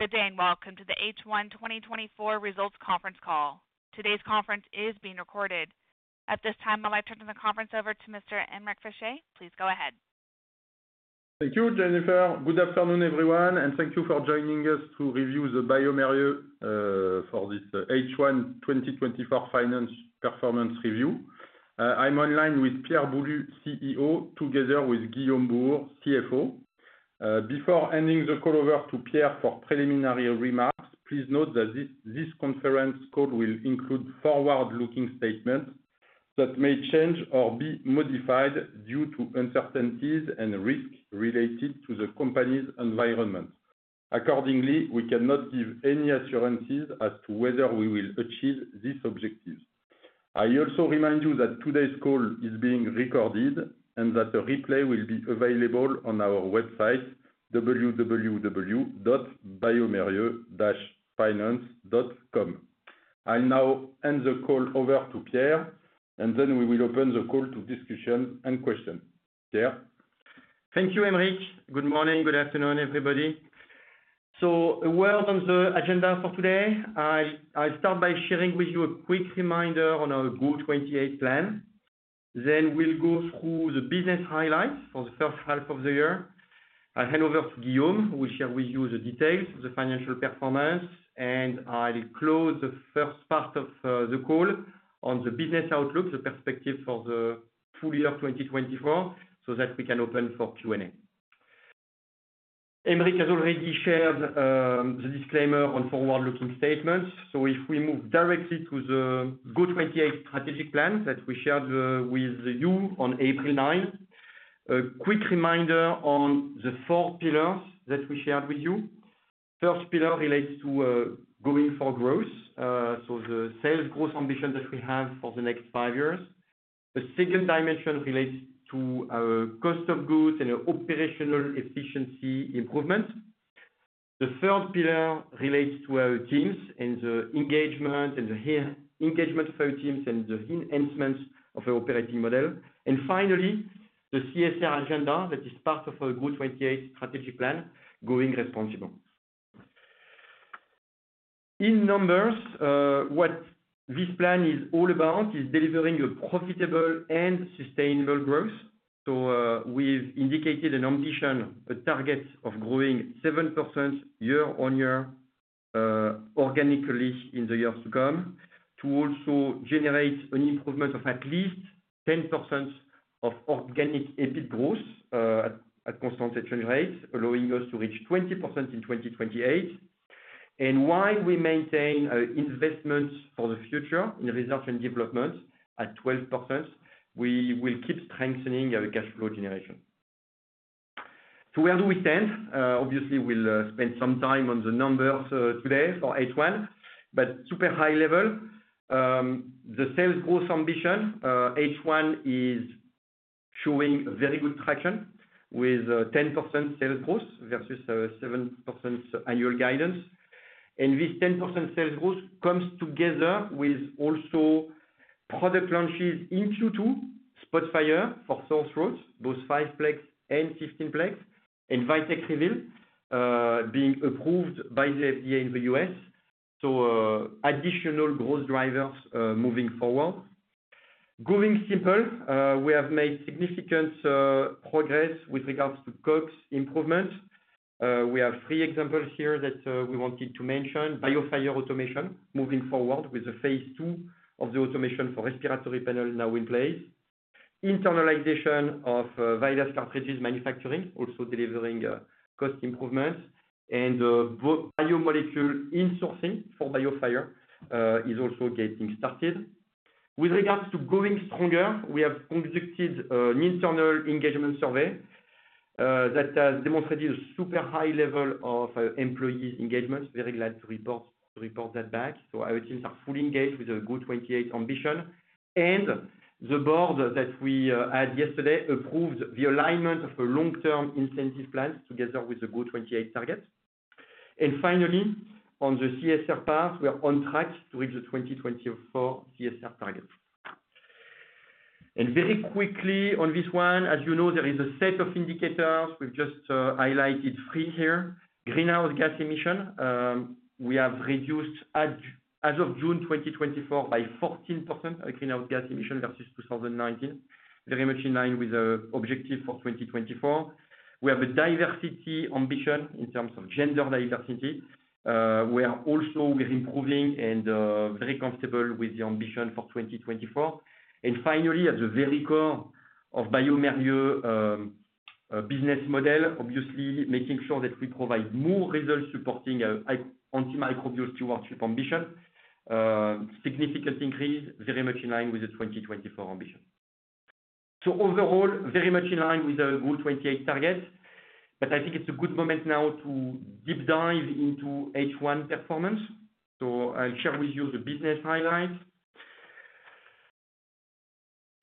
Good day and welcome to the H1 2024 Results Conference Call. Today's conference is being recorded. At this time, I'd like to turn the conference over to Mr. Aymeric Fichet. Please go ahead. Thank you, Jennifer. Good afternoon, everyone, and thank you for joining us to review the bioMérieux for this H1 2024 Finance Performance Review. I'm online with Pierre Boulud, CEO, together with Guillaume Bouhours, CFO. Before handing the call over to Pierre for preliminary remarks, please note that this conference call will include forward-looking statements that may change or be modified due to uncertainties and risks related to the company's environment. Accordingly, we cannot give any assurances as to whether we will achieve these objectives. I also remind you that today's call is being recorded and that the replay will be available on our website, www.bioMérieux-finance.com. I'll now hand the call over to Pierre, and then we will open the call to discussion and question. Pierre? Thank you, Aymeric. Good morning. Good afternoon, everybody, so a word on the agenda for today. I'll start by sharing with you a quick reminder on our GO28 plan. Then we'll go through the business highlights for the first half of the year. I'll hand over to Guillaume, who will share with you the details of the financial performance, and I'll close the first part of the call on the business outlook, the perspective for the full year of 2024, so that we can open for Q&A. Aymeric has already shared the disclaimer on forward-looking statements, so if we move directly to the GO28 strategic plan that we shared with you on April 9th. A quick reminder on the four pillars that we shared with you. First pillar relates to going for growth, so the sales growth ambition that we have for the next five years. The second dimension relates to our cost of goods and operational efficiency improvement. The third pillar relates to our teams and the engagement of our teams and the enhancements of our operating model. And finally, the CSR agenda, that is part of our GO28 strategic plan, growing responsible. In numbers, what this plan is all about is delivering a profitable and sustainable growth. So, we've indicated an ambition, a target of growing 7% year-on-year, organically in the years to come, to also generate an improvement of at least 10% of organic EBIT growth, at constant exchange rates, allowing us to reach 20% in 2028. And while we maintain investments for the future in research and development at 12%, we will keep strengthening our cash flow generation. So where do we stand? Obviously, we'll spend some time on the numbers today for H1, but super high level. The sales growth ambition H1 is showing very good traction with 10% sales growth versus 7% annual guidance. And this 10% sales growth comes together with also product launches in Q2, SPOTFIRE for sore throats, both 5-plex and 15-plex, and VITEK REVEAL being approved by the FDA in the U.S. So additional growth drivers moving forward. Going simple, we have made significant progress with regards to costs improvement. We have three examples here that we wanted to mention. BIOFIRE automation moving forward with phase two of the automation for respiratory panel now in place. Internalization of various cartridges manufacturing, also delivering cost improvements, and biomolecule insourcing for BIOFIRE is also getting started. With regards to growing stronger, we have conducted an internal engagement survey that has demonstrated a super high level of employee engagement. Very glad to report that back. Our teams are fully engaged with the GO28 ambition, and the board that we had yesterday approved the alignment of a long-term incentive plan together with the GO28 target. Finally, on the CSR path, we are on track to reach the 2024 CSR target. Very quickly on this one, as you know, there is a set of indicators. We have just highlighted three here. Greenhouse gas emission, we have reduced as of June 2024 by 14%, our greenhouse gas emission versus 2019. Very much in line with the objective for 2024. We have a diversity ambition in terms of gender diversity. We are also with improving and, very comfortable with the ambition for 2024. And finally, at the very core of bioMérieux, business model, obviously, making sure that we provide more results supporting, antimicrobial stewardship ambition, significant increase, very much in line with the 2024 ambition. So overall, very much in line with the GO28 target, but I think it's a good moment now to deep dive into H1 performance. So I'll share with you the business highlights.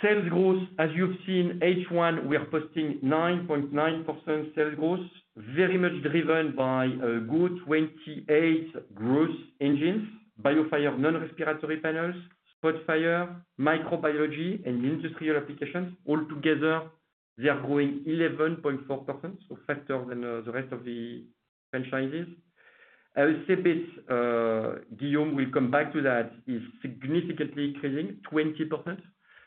Sales growth, as you've seen, H1, we are posting 9.9% sales growth, very much driven by GO28 growth engines, BIOFIRE, non-respiratory panels, SPOTFIRE, microbiology, and industrial applications all together. They are growing 11.4%, so faster than the rest of the franchises. I would say this, Guillaume will come back to that, is significantly increasing 20%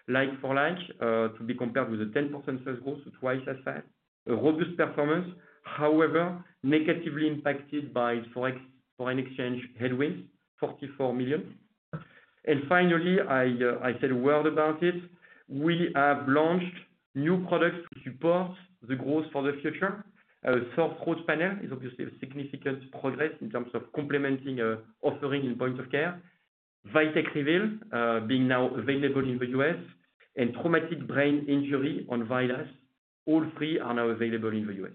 like for like, to be compared with a 10% sales growth, so twice as fast. A robust performance, however, negatively impacted by Forex, foreign exchange headwinds, 44 million. And finally, I said a word about it. We have launched new products to support the growth for the future. Our Sore Throat Panel is obviously a significant progress in terms of complementing offering in point of care. VITEK REVEAL, being now available in the U.S.,. and traumatic brain injury on VIDAS, all three are now available in the U.S.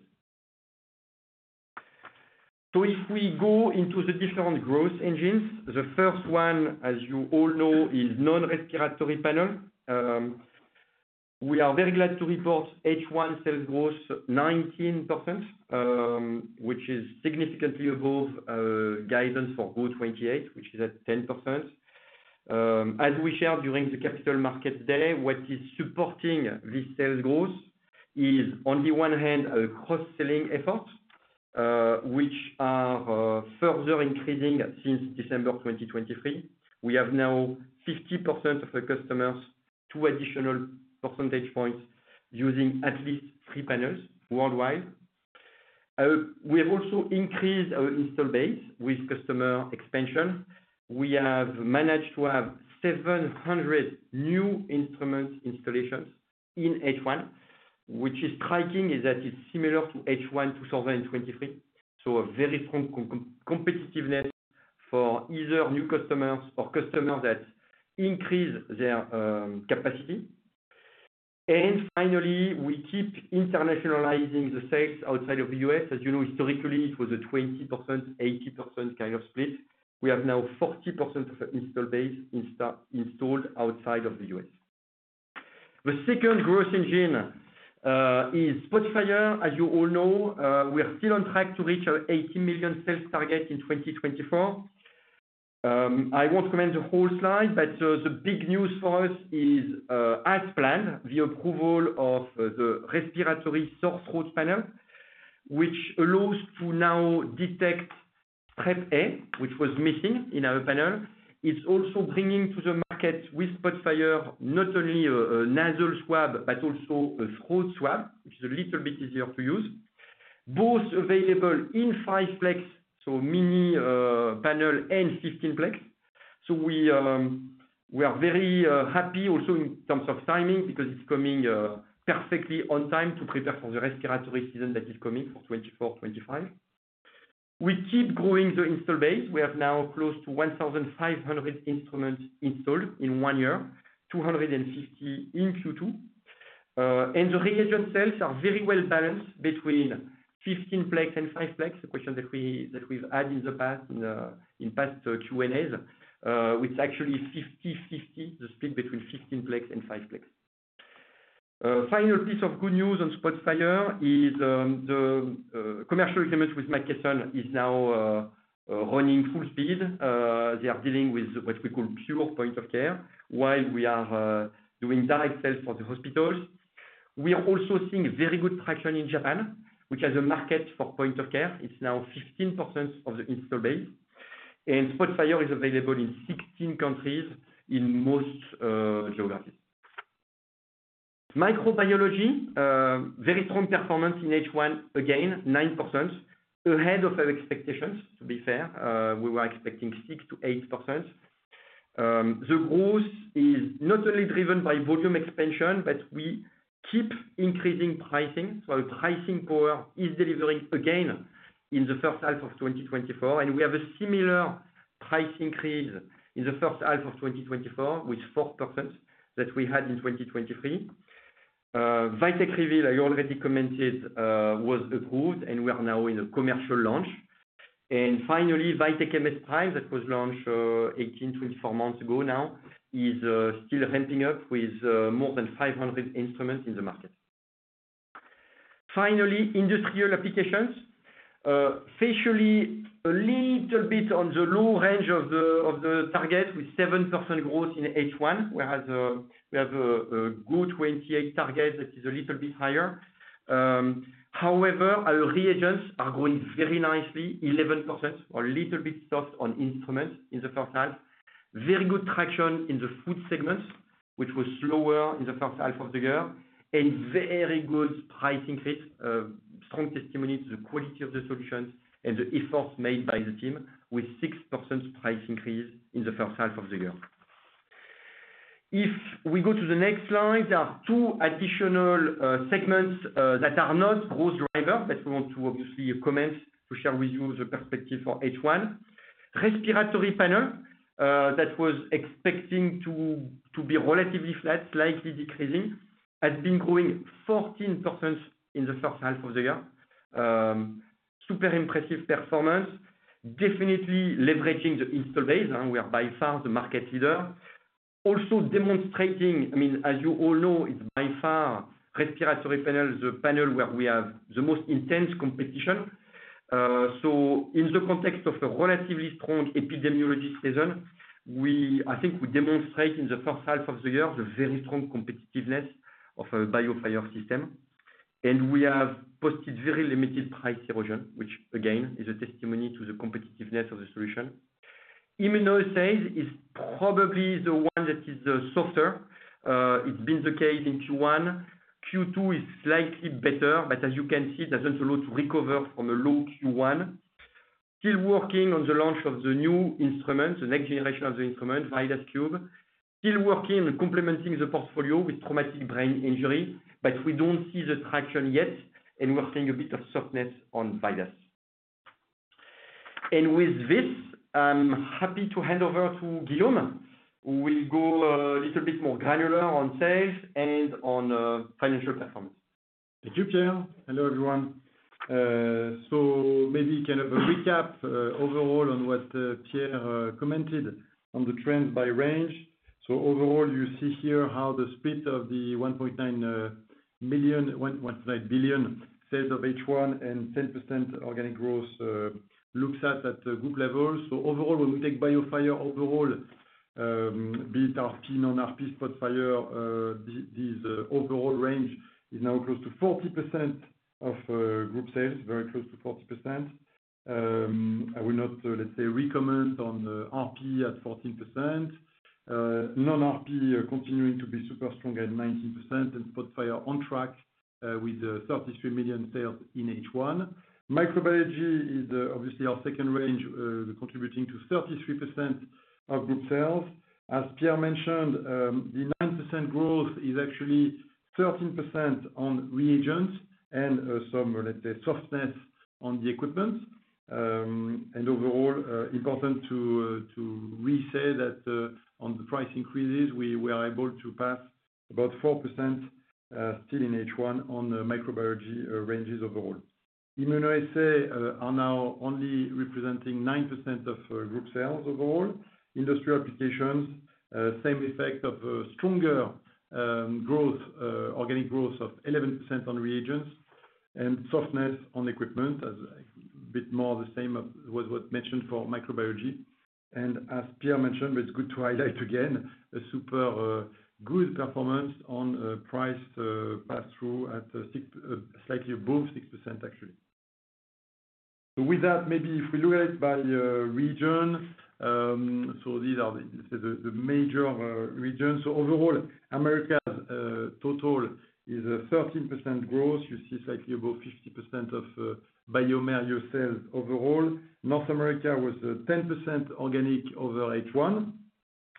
If we go into the different growth engines, the first one, as you all know, is non-respiratory panel. We are very glad to report H1 sales growth 19%, which is significantly above guidance for GO28, which is at 10%. As we shared during the Capital Market Day, what is supporting this sales growth is on the one hand, a cross-selling effort, which are further increasing since December 2023. We have now 50% of the customers, two additional percentage points, using at least three panels worldwide. We have also increased our installed base with customer expansion. We have managed to have 700 new instrument installations in H1, which is striking is that it's similar to H1 2023. So a very strong competitiveness for either new customers or customers that increase their capacity. And finally, we keep internationalizing the sales outside of the U.S. As you know, historically, it was a 20%, 80% kind of split. We have now 40% of our install base installed outside of the U.S. The second growth engine is SPOTFIRE. As you all know, we are still on track to reach our 80 million sales target in 2024. I won't comment the whole slide, but the big news for us is, as planned, the approval of the Respiratory Sore Throat Panel, which allows to now detect Strep A, which was missing in our panel. It's also bringing to the market with SPOTFIRE, not only a nasal swab, but also a throat swab, which is a little bit easier to use. Both available in 5-plex, so mini panel and 15-plex. So we are very happy also in terms of timing, because it's coming perfectly on time to prepare for the respiratory season that is coming for 2024, 2025. We keep growing the installed base. We have now close to 1,500 instruments installed in one year, 250 in Q2. And the reagent sales are very well balanced between 15-plex and 5-plex, a question that we've had in the past, in past Q&As. It's actually fifty-fifty, the split between 15-plex and 5-plex. Final piece of good news on SPOTFIRE is the commercial agreement with McKesson is now running full speed. They are dealing with what we call pure point of care, while we are doing direct sales for the hospitals. We are also seeing very good traction in Japan, which has a market for point of care. It's now 15% of the install base, and SPOTFIRE is available in 16 countries in most geographies. Microbiology very strong performance in H1, again, 9% ahead of our expectations, to be fair. We were expecting 6% to 8%. The growth is not only driven by volume expansion, but we keep increasing pricing. Our pricing power is delivering again in the first half of 2024, and we have a similar price increase in the first half of 2024, with 4% that we had in 2023. VITEK REVEAL, I already commented, was approved, and we are now in a commercial launch. Finally, VITEK MS PRIME, that was launched 18-24 months ago now, is still ramping up with more than 500 instruments in the market. Finally, industrial applications. Specifically a little bit on the low range of the target, with 7% growth in H1, whereas we have a GO28 target that is a little bit higher. However, our reagents are growing very nicely, 11%, a little bit soft on instruments in the first half. Very good traction in the food segments, which was slower in the first half of the year, and very good pricing fit, strong testimony to the quality of the solutions and the efforts made by the team with 6% price increase in the first half of the year. If we go to the next slide, there are two additional segments that are not growth driver, but we want to obviously comment to share with you the perspective for H1. Respiratory panel that was expecting to be relatively flat, slightly decreasing, has been growing 14% in the first half of the year. Super impressive performance. Definitely leveraging the install base, and we are by far the market leader. Also demonstrating, I mean, as you all know, it's by far respiratory panel, the panel where we have the most intense competition.... So in the context of a relatively strong epidemiology season, we-- I think we demonstrate in the first half of the year, the very strong competitiveness of our BIOFIRE system. And we have posted very limited price erosion, which again, is a testimony to the competitiveness of the solution. Immunoassay is probably the one that is, softer. It's been the case in Q1. Q2 is slightly better, but as you can see, there's a lot to recover from a low Q1. Still working on the launch of the new instrument, the next generation of the instrument, VIDAS KUBE. Still working on complementing the portfolio with traumatic brain injury, but we don't see the traction yet, and we're seeing a bit of softness on VIDAS. And with this, I'm happy to hand over to Guillaume, who will go a little bit more granular on sales and on financial performance. Thank you, Pierre. Hello, everyone. So maybe kind of a recap overall on what Pierre commented on the trends by range. So overall, you see here how the split of the 1.9 billion sales of H1 and 10% organic growth looks at the group level. So overall, when we take BIOFIRE overall, be it RP, non-RP, SPOTFIRE, these overall range is now close to 40% of group sales, very close to 40%. I will not, let's say, re-comment on RP at 14%. Non-RP are continuing to be super strong at 19%, and SPOTFIRE on track with 33 million sales in H1. Microbiology is obviously our second range, contributing to 33% of group sales. As Pierre mentioned, the 9% growth is actually 13% on reagents and, some, let's say, softness on the equipment. And overall, important to, to re-say that, on the price increases, we were able to pass about 4%, still in H1 on the microbiology ranges overall. Immunoassay are now only representing 9% of, group sales overall. Industrial applications, same effect of, stronger, growth, organic growth of 11% on reagents and softness on equipment, as a bit more the same as was what mentioned for microbiology. And as Pierre mentioned, it's good to highlight again, a super, good performance on, price, pass-through at 6-- slightly above 6%, actually. So with that, maybe if we look at it by, region. So these are the major regions. Overall, Americas total is 13% growth. You see slightly above 50% of BioMérieux sales overall. North America was 10% organic over H1,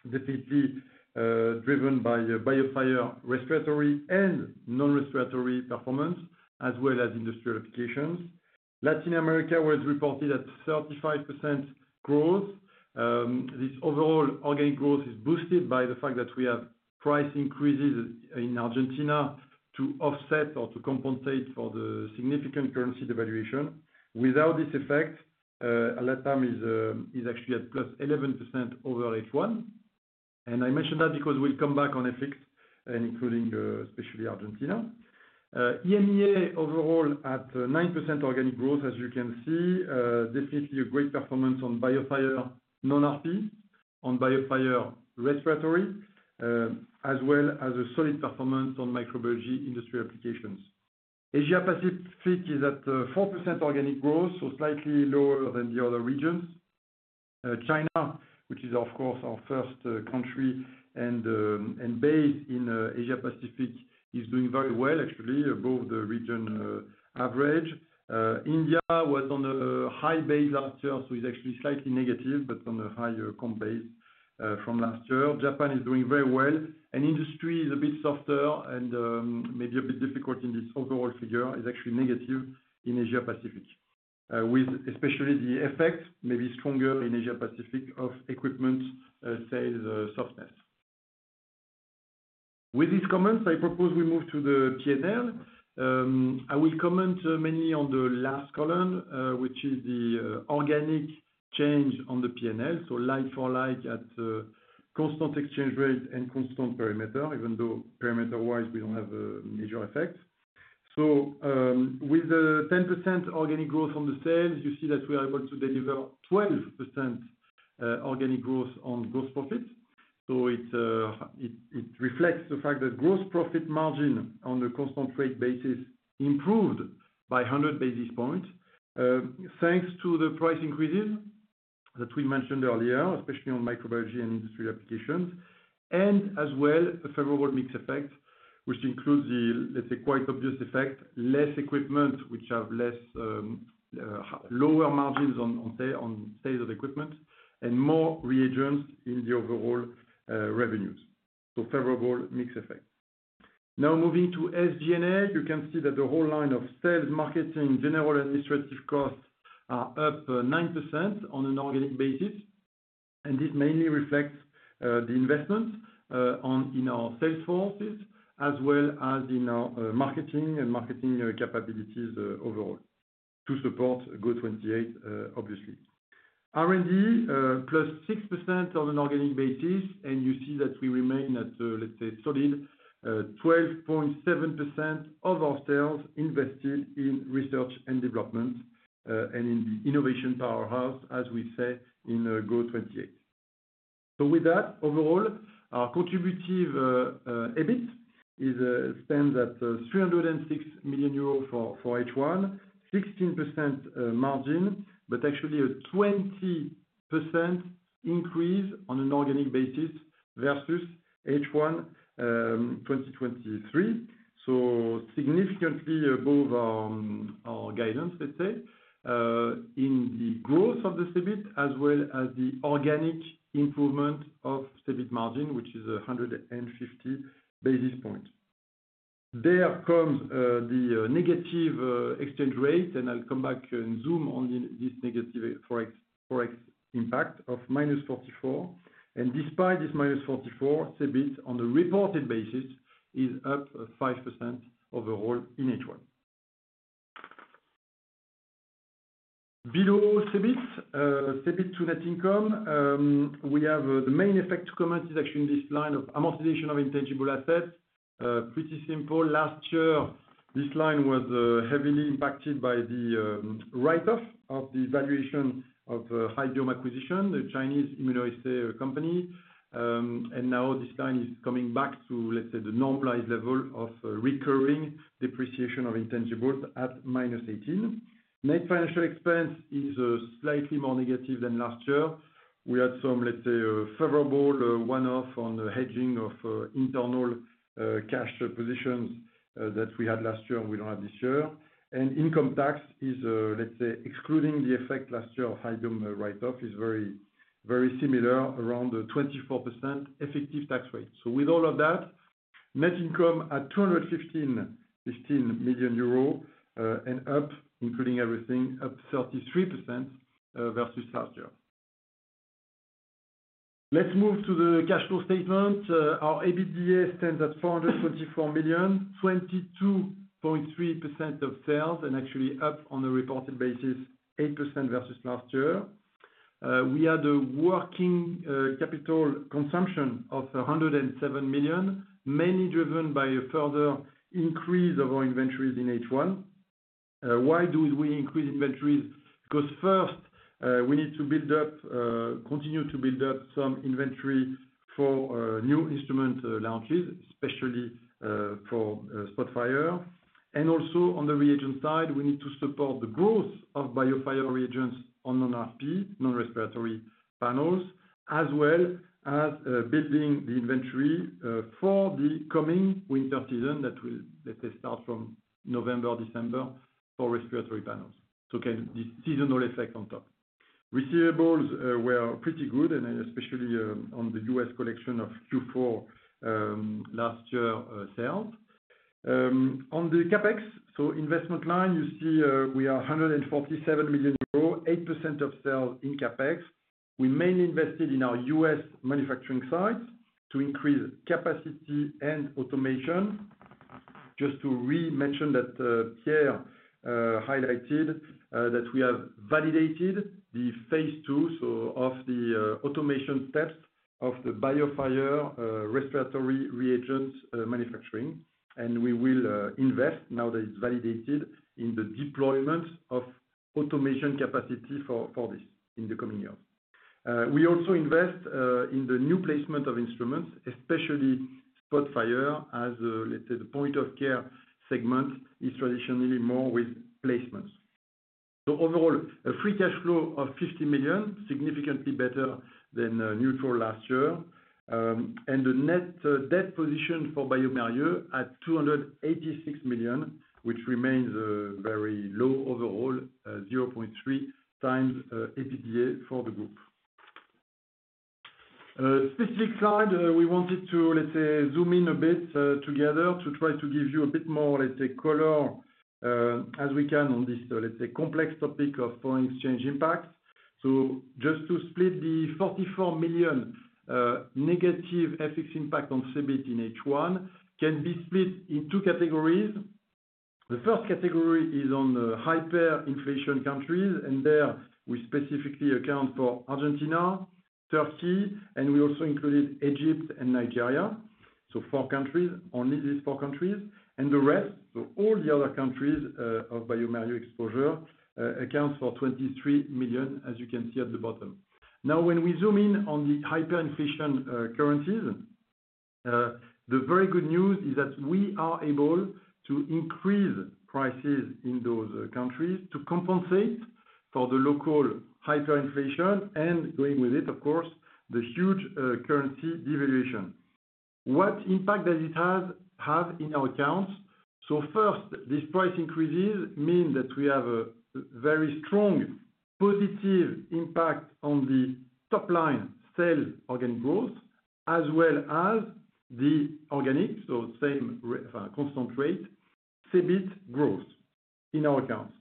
definitely driven by BIOFIRE respiratory and non-respiratory performance, as well as industrial applications. Latin America was reported at 35% growth. This overall organic growth is boosted by the fact that we have price increases in Argentina to offset or to compensate for the significant currency devaluation. Without this effect, LATAM is actually at +11% over H1, and I mention that because we'll come back on effect and including, especially Argentina. EMEA overall at 9% organic growth, as you can see, definitely a great performance on BIOFIRE, non-RP, on BIOFIRE respiratory, as well as a solid performance on microbiology industry applications. Asia Pacific is at 4% organic growth, so slightly lower than the other regions. China, which is, of course, our first country and base in Asia Pacific, is doing very well, actually, above the region average. India was on a high base last year, so it's actually slightly negative, but on a higher comp base from last year. Japan is doing very well, and industry is a bit softer and maybe a bit difficult in this overall figure, is actually negative in Asia Pacific. With especially the effect maybe stronger in Asia Pacific of equipment sales softness. With these comments, I propose we move to the P&L. I will comment mainly on the last column, which is the organic change on the P&L, so like for like at constant exchange rate and constant perimeter, even though perimeter-wise, we don't have a major effect. With the 10% organic growth on the sales, you see that we are able to deliver 12% organic growth on gross profit. It reflects the fact that gross profit margin on a constant rate basis improved by 100 basis points, thanks to the price increases that we mentioned earlier, especially on microbiology and industry applications. And as well, a favorable mix effect, which includes the, let's say, quite obvious effect, less equipment which have lower margins on sales of equipment and more reagents in the overall revenues. So favorable mix effect. Now moving to SG&A, you can see that the whole line of sales, marketing, general administrative costs are up 9% on an organic basis, and this mainly reflects the investment in our sales forces, as well as in our marketing capabilities overall, to support GO28, obviously. R&D, plus 6% on an organic basis, and you see that we remain at, let's say, solid 12.7% of our sales invested in research and development and in the innovation powerhouse, as we say in GO28. With that, overall, our Contributive EBIT stands at 306 million euros for H1, 16% margin, but actually a 20% increase on an organic basis versus H1 2023. Significantly above our guidance, let's say, in the growth of the EBIT, as well as the organic improvement of EBIT margin, which is 150 basis points. There comes the negative exchange rate, and I'll come back and zoom on this negative Forex impact of -44. Despite this -44, EBIT, on a reported basis, is up 5% overall in H1. Below EBIT, EBIT to net income, we have the main effect to comment is actually in this line of amortization of intangible assets. Pretty simple. Last year, this line was heavily impacted by the write-off of the valuation of Hybiome acquisition, the Chinese immunoassay company. And now this line is coming back to, let's say, the normalized level of recurring depreciation of intangibles at minus 18. Net financial expense is slightly more negative than last year. We had some, let's say, favorable one-off on the hedging of internal cash positions that we had last year and we don't have this year. And income tax is, let's say, excluding the effect last year of Hybiome write-off, is very, very similar, around a 24% effective tax rate. So with all of that, net income at 215 million euros, and up, including everything, up 33% versus last year. Let's move to the cash flow statement. Our EBITDA stands at 444 million, 22.3% of sales and actually up on a reported basis, 8% versus last year. We had a working capital consumption of 107 million, mainly driven by a further increase of our inventories in H1. Why do we increase inventories? Because first, we need to build up, continue to build up some inventory for new instrument launches, especially for Spotfire. And also, on the reagent side, we need to support the growth of BIOFIRE reagents on non-RP, non-respiratory panels, as well as building the inventory for the coming winter season that will, let's say, start from November or December for respiratory panels. So again, the seasonal effect on top. Receivables were pretty good, and especially on the U.S. collection of Q4 last year sales. On the CapEx, so investment line, you see, we are 147 million euros, 8% of sales in CapEx. We mainly invested in our U.S. manufacturing sites to increase capacity and automation. Just to re-mention that, Pierre highlighted that we have validated the phase two, so of the automation steps of the BIOFIRE respiratory reagents manufacturing, and we will invest now that it is validated in the deployment of automation capacity for this in the coming year. We also invest in the new placement of instruments, especially SPOTFIRE, as let's say, the point-of-care segment is traditionally more with placements. So overall, a free cash flow of 50 million, significantly better than neutral last year. And the net debt position for bioMérieux at 286 million, which remains very low overall, 0.3 times EBITDA for the group. Specific slide, we wanted to, let's say, zoom in a bit together to try to give you a bit more, let's say, color as we can on this, let's say, complex topic of foreign exchange impact. So just to split the 44 million negative FX impact on EBIT in H1 can be split in two categories. The first category is on the hyperinflation countries, and there we specifically account for Argentina, Turkey, and we also included Egypt and Nigeria. So four countries, only these four countries. And the rest, so all the other countries of bioMérieux exposure accounts for 23 million, as you can see at the bottom. Now, when we zoom in on the hyperinflation currencies, the very good news is that we are able to increase prices in those countries to compensate for the local hyperinflation and, going with it, of course, the huge currency devaluation. What impact does it have in our accounts? So first, these price increases mean that we have a very strong positive impact on the top-line sales organic growth, as well as the organic, so same constant rate, EBIT growth in our accounts.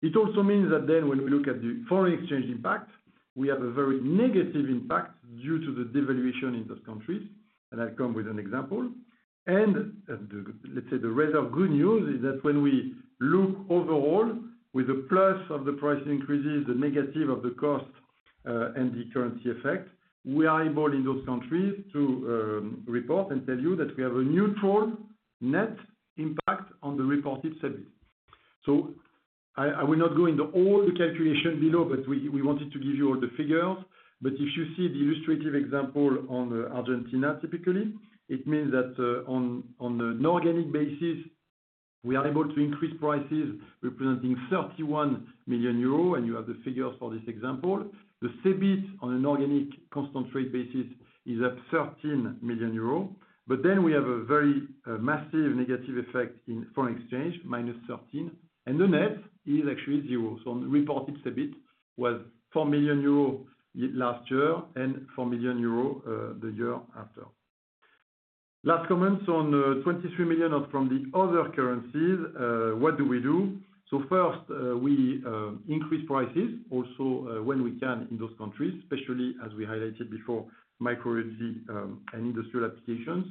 It also means that then when we look at the foreign exchange impact, we have a very negative impact due to the devaluation in those countries, and I come with an example. The rather good news is that when we look overall with the plus of the price increases, the negative of the cost, and the currency effect, we are able in those countries to report and tell you that we have a neutral net impact on the reported EBIT. So I will not go into all the calculation below, but we wanted to give you all the figures. But if you see the illustrative example on Argentina, typically, it means that on an organic basis, we are able to increase prices representing 31 million euros, and you have the figures for this example. The EBIT on an organic constant rate basis is up 13 million euros, but then we have a very massive negative effect in foreign exchange, minus 13, and the net is actually zero. So on reported EBIT was 4 million euros last year and 4 million euros the year after. Let's comment on 23 million out from the other currencies. What do we do? First, we increase prices also when we can in those countries, especially as we highlighted before, microbiology and industrial applications.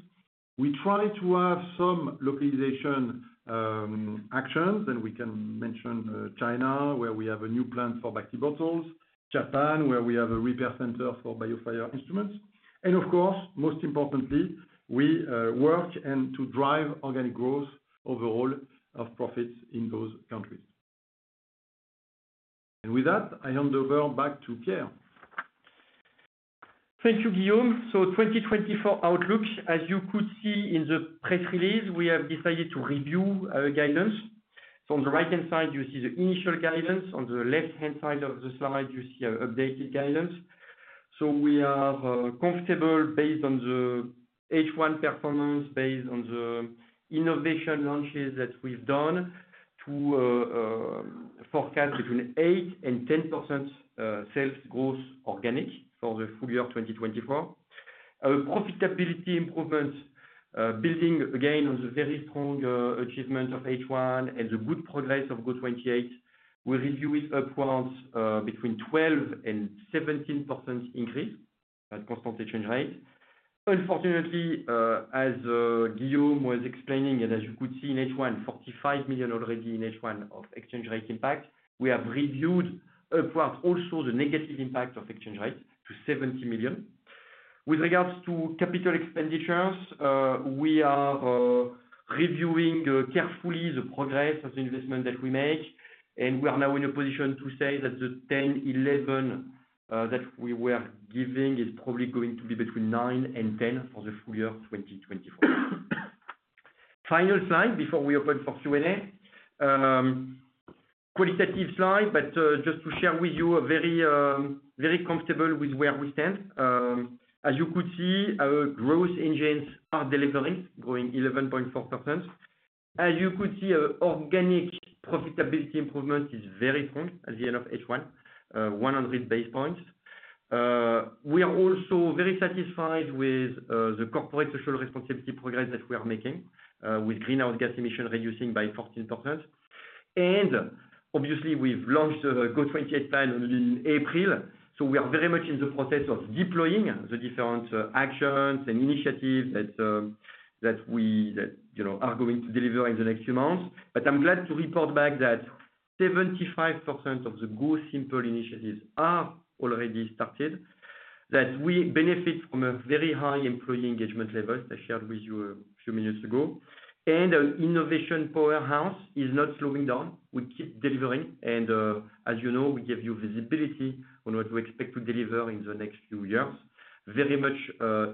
We try to have some localization actions, and we can mention China, where we have a new plant for BacT bottles, Japan, where we have a repair center for BIOFIRE instruments. And of course, most importantly, we work to drive organic growth overall of profits in those countries. And with that, I hand over back to Pierre. Thank you, Guillaume. So 2024 outlook, as you could see in the press release, we have decided to review our guidance. So on the right-hand side, you see the initial guidance. On the left-hand side of the slide, you see our updated guidance. So we are comfortable based on the H1 performance, based on the innovation launches that we've done to forecast between 8% and 10% sales growth organic for the full year 2024. Our profitability improvement, building again on the very strong achievement of H1 and the good progress of GO28, we review it upwards between 12% and 17% increase at constant exchange rate. Unfortunately, as Guillaume was explaining, and as you could see in H1, 45 million already in H1 of exchange rate impact, we have reviewed upwards also the negative impact of exchange rate to 70 million. With regards to capital expenditures, we are reviewing carefully the progress of the investment that we make, and we are now in a position to say that the 10-11 that we were giving is probably going to be between 9 and 10 for the full year 2024. Final slide before we open for Q&A. Qualitative slide, but just to share with you, we are very comfortable with where we stand. As you could see, our growth engines are delivering, growing 11.4%. As you could see, our organic profitability improvement is very strong at the end of H1, 100 basis points. We are also very satisfied with the corporate social responsibility progress that we are making with greenhouse gas emission reducing by 14%. And obviously, we've launched the GO28 plan in April, so we are very much in the process of deploying the different actions and initiatives that we, you know, are going to deliver in the next few months. But I'm glad to report back that 75% of the GO Simple initiatives are already started, that we benefit from a very high employee engagement level I shared with you a few minutes ago. And our innovation powerhouse is not slowing down. We keep delivering, and, as you know, we give you visibility on what we expect to deliver in the next few years. Very much,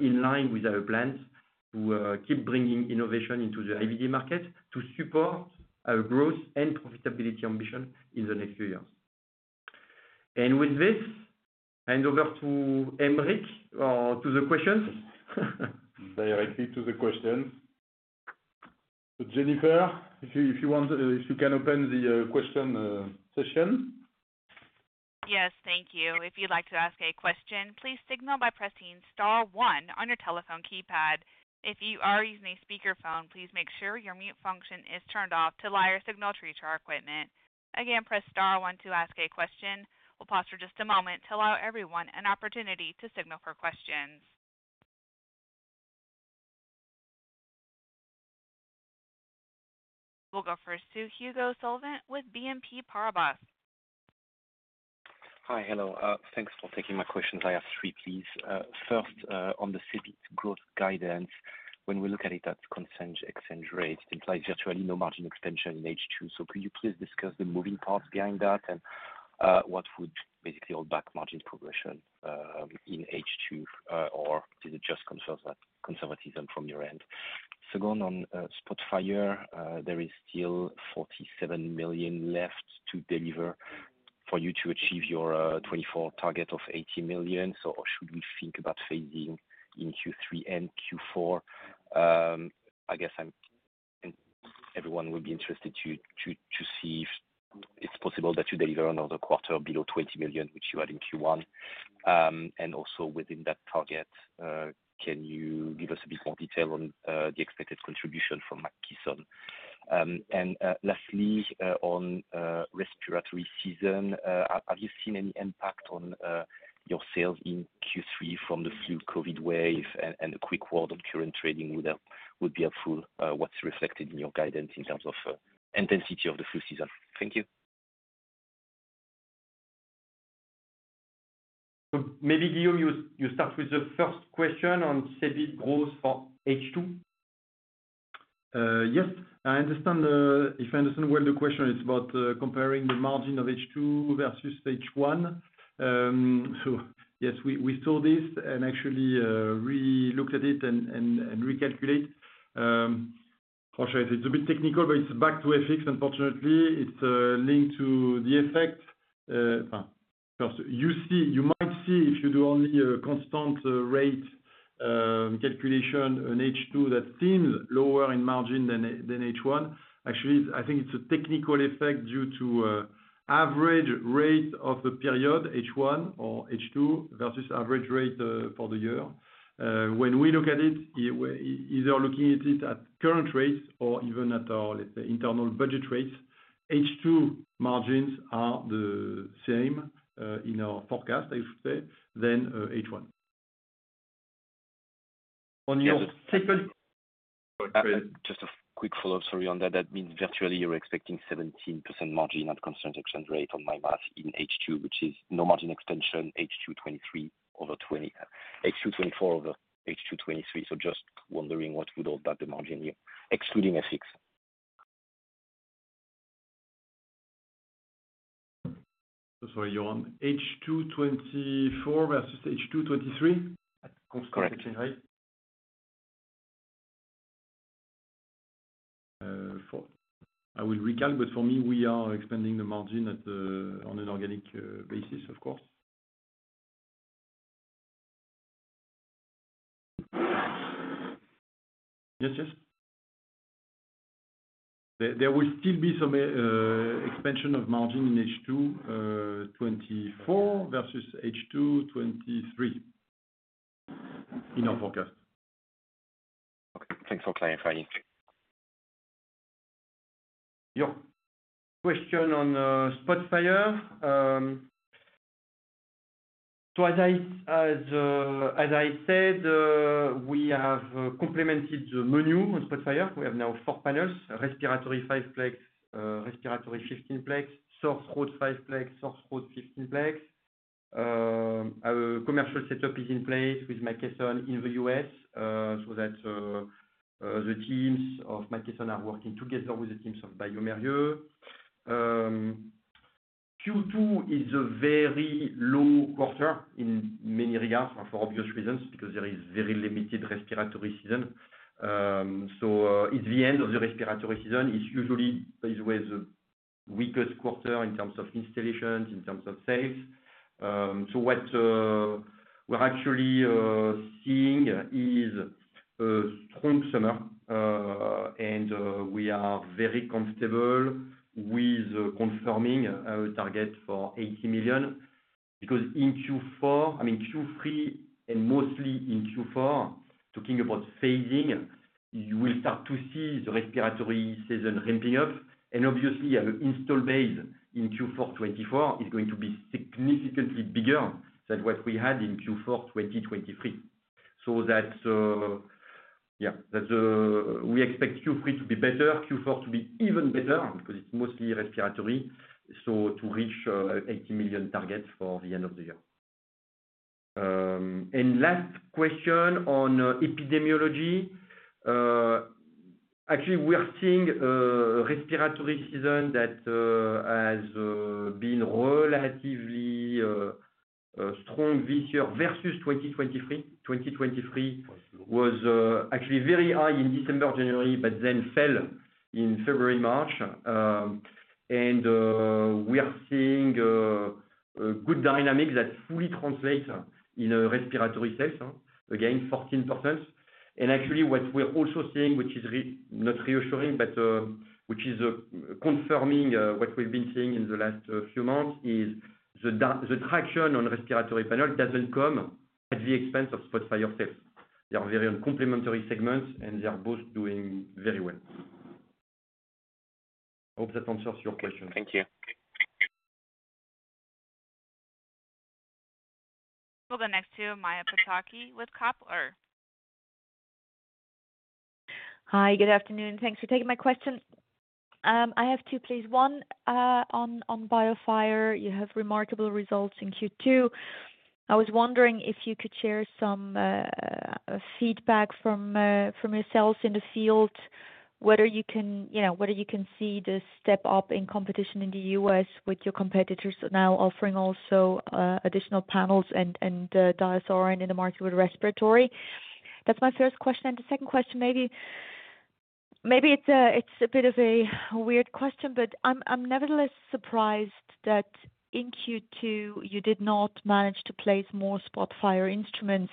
in line with our plans to keep bringing innovation into the IVD market to support our growth and profitability ambition in the next few years. And with this, hand over to Aymeric, or to the questions. Directly to the questions. So Jennifer, if you want, if you can open the question session. Yes, thank you. If you'd like to ask a question, please signal by pressing star one on your telephone keypad. If you are using a speakerphone, please make sure your mute function is turned off to allow your signal to reach our equipment. Again, press star one to ask a question. We'll pause for just a moment to allow everyone an opportunity to signal for questions. We'll go first to Hugo Solvet with BNP Paribas. Hi, hello. Thanks for taking my questions. I have three, please. First, on the EBIT growth guidance, when we look at it at constant exchange rate, it implies virtually no margin extension in H2. So could you please discuss the moving parts behind that? And what would basically hold back margin progression in H2, or is it just conservatism from your end? Second, on SPOTFIRE, there is still 47 million left to deliver for you to achieve your 2024 target of 80 million. So should we think about phasing in Q3 and Q4? I guess everyone will be interested to see if it's possible that you deliver another quarter below 20 million, which you had in Q1. And also within that target, can you give us a bit more detail on the expected contribution from McKesson? And lastly, on respiratory season, have you seen any impact on your sales in Q3 from the flu COVID wave? And a quick word on current trading would be helpful. What's reflected in your guidance in terms of intensity of the flu season? Thank you. Maybe, Guillaume, you start with the first question on EBIT growth for H2. Yes, I understand, if I understand well, the question, it's about comparing the margin of H2 versus H1. So yes, we saw this and actually re-looked at it and recalculate. Actually it's a bit technical, but it's back to FX. Unfortunately, it's linked to the effect. First you see, you might see if you do only a constant rate calculation on H2, that seems lower in margin than H1. Actually, I think it's a technical effect due to average rate of the period, H1 or H2, versus average rate for the year. When we look at it, either looking at it at current rates or even at our, let's say, internal budget rates, H2 margins are the same, in our forecast, I should say, than H1. On your second- Just a quick follow-up, sorry, on that. That means virtually you're expecting 17% margin at constant exchange rate on my math in H2, which is no margin extension, H2 2024 over H2 2023. So just wondering what would hold back the margin here, excluding FX? So sorry, you're on H2 2024 versus H2 2023? Correct exchange rate. I will recap, but for me, we are expanding the margin at the, on an organic basis, of course. Yes, yes. There will still be some expansion of margin in H2 2024 versus H2 2023 in our forecast. Okay, thanks for clarifying. Your question on SPOTFIRE. So as I said, we have complemented the menu on SPOTFIRE. We have now four panels, respiratory 5-plex, respiratory 15-plex, sore throat 5-plex, sore throat 15-plex. Our commercial setup is in place with McKesson in the U.S., so that the teams of McKesson are working together with the teams of bioMérieux. Q2 is a very low quarter in many regards, for obvious reasons, because there is very limited respiratory season. So it's the end of the respiratory season. It's usually is where the weakest quarter in terms of installations, in terms of sales. So what we're actually seeing is a strong summer, and we are very comfortable with confirming our target for 80 million. Because in Q4, I mean, Q3, and mostly in Q4, talking about phasing, you will start to see the respiratory season ramping up. And obviously, our installed base in Q4 2024 is going to be significantly bigger than what we had in Q4 2023. So that's, yeah, that's, we expect Q3 to be better, Q4 to be even better because it's mostly respiratory, so to reach €80 million targets for the end of the year. And last question on epidemiology. Actually, we are seeing respiratory season that has been relatively strong this year versus 2023. 2023 was actually very high in December, January, but then fell in February, March. And we are seeing a good dynamic that fully translates into respiratory sales. Again, 14%. Actually, what we're also seeing, which is not reassuring, but which is confirming what we've been seeing in the last few months, is the traction on respiratory panel doesn't come at the expense of SPOTFIRE sales. They are very complementary segments, and they are both doing very well. Hope that answers your question. Thank you. We'll go next to Maja Pataki with Kepler. Hi, good afternoon. Thanks for taking my question. I have two, please. One, on BIOFIRE. You have remarkable results in Q2. I was wondering if you could share some feedback from yourselves in the field, whether you can see the step up in competition in the U.S. with your competitors now offering also additional panels and DiaSorin in the market with respiratory. That's my first question, and the second question, maybe it's a bit of a weird question, but I'm nevertheless surprised that in Q2, you did not manage to place more SPOTFIRE instruments.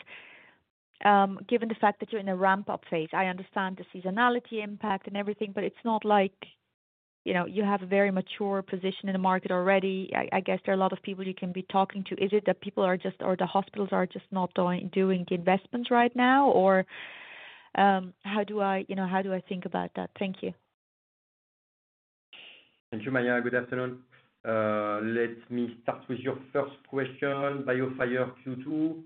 Given the fact that you're in a ramp-up phase, I understand the seasonality impact and everything, but it's not like you know, you have a very mature position in the market already. I guess there are a lot of people you can be talking to. Is it that people are just or the hospitals are just not doing the investments right now? Or, how do I, you know, how do I think about that? Thank you. Thank you, Maria. Good afternoon. Let me start with your first question, BIOFIRE Q2.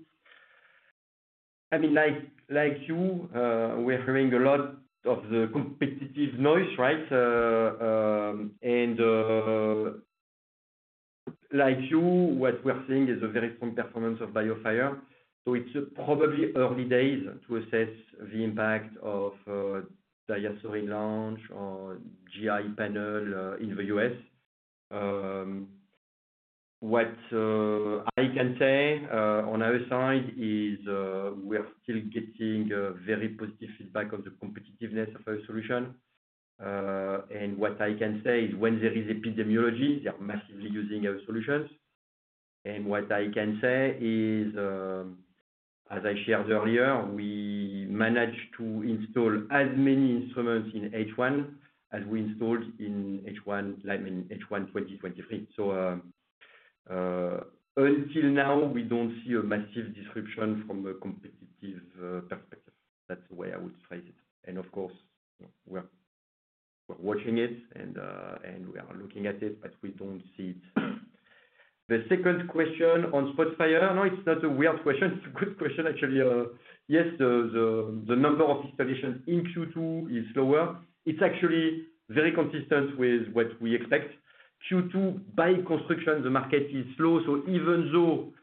I mean, like you, we're hearing a lot of the competitive noise, right? And like you, what we're seeing is a very strong performance of BIOFIRE. So it's probably early days to assess the impact of DiaSorin launch or GI panel in the U.S. What I can say on our side is we are still getting a very positive feedback of the competitiveness of our solution. And what I can say is when there is epidemiology, they are massively using our solutions. And what I can say is, as I shared earlier, we managed to install as many instruments in H1 as we installed in H1, like in H1 2023. So, until now, we don't see a massive disruption from a competitive perspective. That's the way I would phrase it. And of course, we're watching it and we are looking at it, but we don't see it. The second question on SPOTFIRE. No, it's not a weird question. It's a good question, actually. Yes, the number of installations in Q2 is lower. It's actually very consistent with what we expect. Q2, by construction, the market is slow, so even though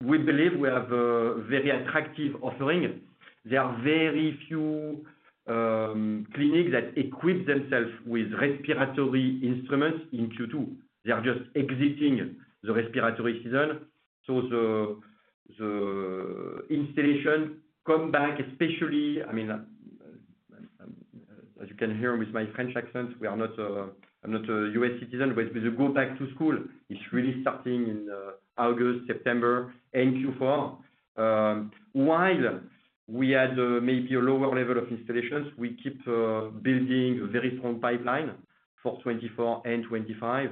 we believe we have a very attractive offering, there are very few clinics that equip themselves with respiratory instruments in Q2. They are just exiting the respiratory season, so the installation come back, especially, I mean, as you can hear with my French accent, we are not. I'm not a U.S. citizen, but with the go back to school, it's really starting in August, September, and Q4. While we had maybe a lower level of installations, we keep building a very strong pipeline for 2024 and 2025.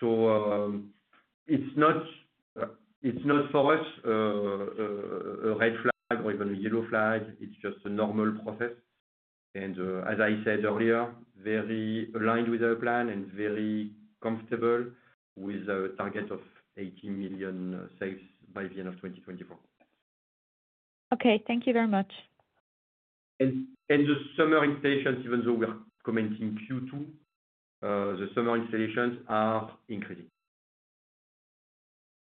So, it's not for us a red flag or even a yellow flag. It's just a normal process, and as I said earlier, very aligned with our plan and very comfortable with a target of €80 million sales by the end of 2024. Okay, thank you very much. The summer installations, even though we are commenting Q2, the summer installations are increasing.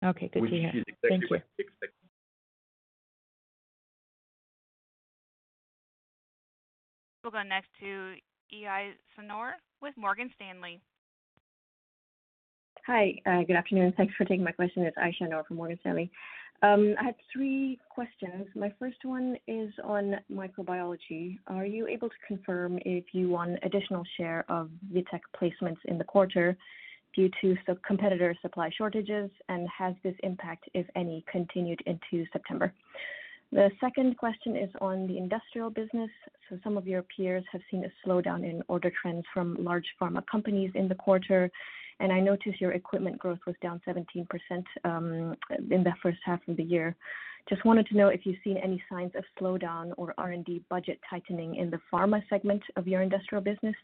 Okay, good to hear. Which is exactly what we expected. We'll go next to Ayesha Noor with Morgan Stanley. Hi, good afternoon. Thank you for taking my question. It's Ayesha Noor from Morgan Stanley. I had three questions. My first one is on microbiology. Are you able to confirm if you won additional share of VITEK placements in the quarter due to some competitor supply shortages? And has this impact, if any, continued into September? The second question is on the industrial business. So some of your peers have seen a slowdown in order trends from large pharma companies in the quarter, and I noticed your equipment growth was down 17% in the first half of the year. Just wanted to know if you've seen any signs of slowdown or R&D budget tightening in the pharma segment of your industrial business,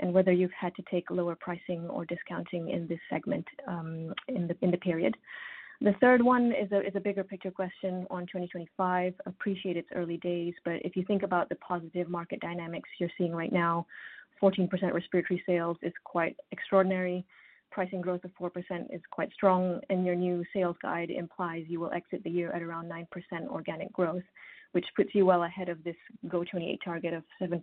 and whether you've had to take lower pricing or discounting in this segment, in the period. The third one is a bigger picture question on 2025. Appreciate it's early days, but if you think about the positive market dynamics you're seeing right now, 14% respiratory sales is quite extraordinary. Pricing growth of 4% is quite strong, and your new sales guide implies you will exit the year at around 9% organic growth, which puts you well ahead of this GO28 target of 7%.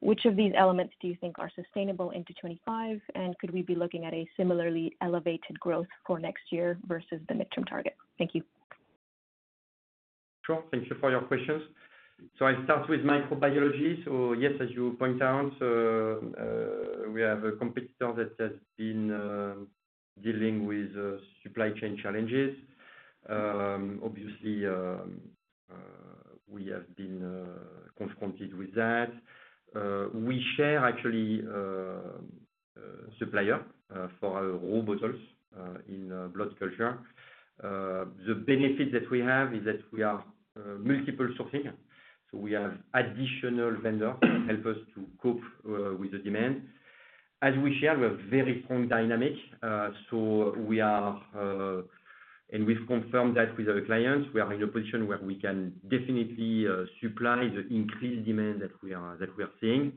Which of these elements do you think are sustainable into 2025? And could we be looking at a similarly elevated growth for next year versus the midterm target? Thank you. Sure. Thank you for your questions. So I'll start with microbiology. So yes, as you point out, we have a competitor that has been dealing with supply chain challenges. Obviously, we have been confronted with that. We share actually supplier for our raw bottles in blood culture. The benefit that we have is that we are multiple sourcing, so we have additional vendor help us to cope with the demand. As we share, we have very strong dynamic, so we are. And we've confirmed that with our clients. We are in a position where we can definitely supply the increased demand that we are seeing.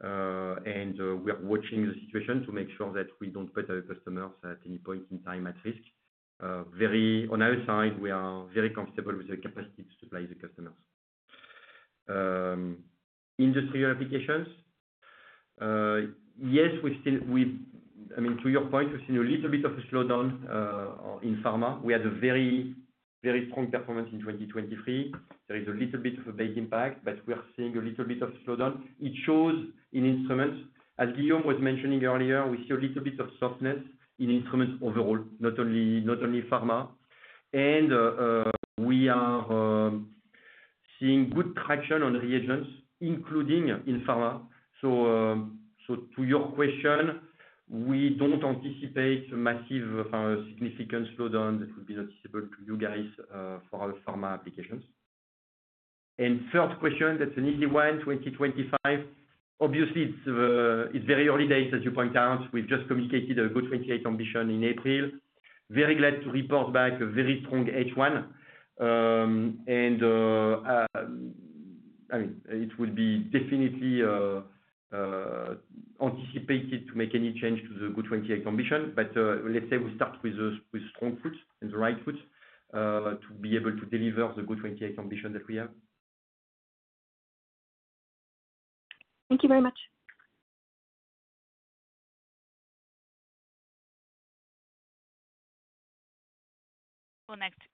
We are watching the situation to make sure that we don't put our customers at any point in time at risk. On our side, we are very comfortable with the capacity to supply the customers. Industrial applications. Yes, I mean, to your point, we've seen a little bit of a slowdown in pharma. We had a very, very strong performance in 2023. There is a little bit of a base impact, but we are seeing a little bit of slowdown. It shows in instruments. As Guillaume was mentioning earlier, we see a little bit of softness in instruments overall, not only pharma. We are seeing good traction on reagents, including in pharma. So, to your question, we don't anticipate a massive, significant slowdown that would be noticeable to you guys, for our pharma applications. And third question, that's an easy one, 2025. Obviously, it's very early days, as you point out. We've just communicated a GO28 ambition in April. Very glad to report back a very strong H1. And, I mean, it would be definitely anticipated to make any change to the GO28 ambition. But, let's say we start with a strong foot and the right foot, to be able to deliver the GO28 ambition that we have. Thank you very much.